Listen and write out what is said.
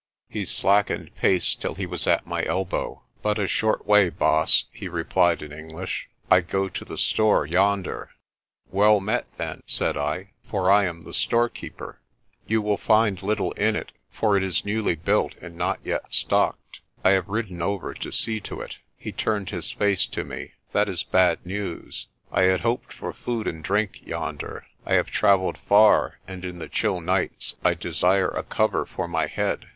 He slackened pace till he was at my elbow. "But a short way, Baas," he replied in English ; "I go to the store yonder." "Well met, then," said I, "for I am the storekeeper. You The circlet into which, with the aid of gum, Zulu warriors weave their hair. THE REV. JOHN LAPUTA 111 will find little in it, for it is newly built and not yet stocked. I have ridden over to see to it." He turned his face to me. "That is bad news. I had hoped for food and drink yonder. I have travelled far and in the chill nights I desire a cover for my head.